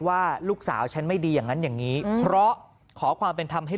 ว่าลูกสาวฉันไม่ดีอย่างนั้นอย่างนี้เพราะขอความเป็นธรรมให้